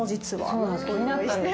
そうなんです。